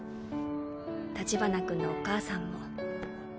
立花君のお母さんも。